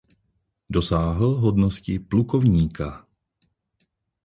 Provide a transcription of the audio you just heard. Dosáhl hodnosti plukovníka.